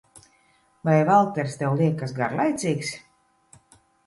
Vai Valters tev liekas garlaicīgs?